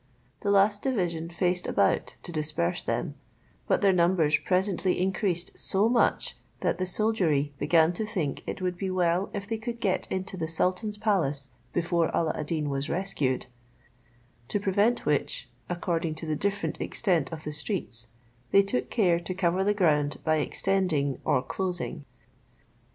The last division faced about to disperse them; but their numbers presently increased so much, that the soldiery began to think it would be well if they could get into the sultan's palace before Alla ad Deen was rescued; to prevent which, according to the different extent of the streets, they took care to cover the ground by extending or closing.